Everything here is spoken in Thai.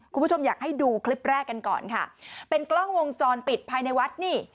คุณผู้ชมอยากให้ดูคลิปแรกกันก่อนค่ะเป็นกล้องวงจรปิดภายในวัดนี่